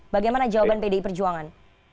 bagaimana jawaban pdi perjuangan